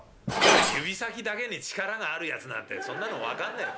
指先だけに力があるやつなんてそんなの分かんねえと。